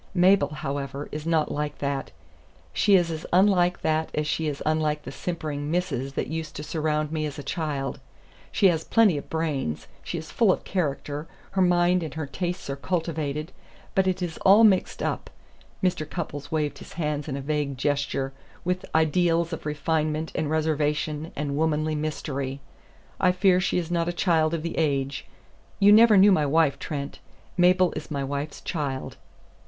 Mabel, however, is not like that. She is as unlike that as she is unlike the simpering misses that used to surround me as a child. She has plenty of brains; she is full of character; her mind and her tastes are cultivated; but it is all mixed up" Mr. Cupples waved his hands in a vague gesture "with ideals of refinement and reservation and womanly mystery. I fear she is not a child of the age. You never knew my wife, Trent. Mabel is my wife's child."